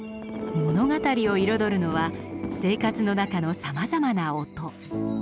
物語を彩るのは生活の中のさまざまな音。